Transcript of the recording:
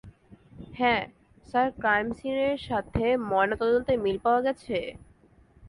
হ্যাঁ, sir crime সিনের সাথে ময়নাতদন্তের মিল পাওয়া গেছে?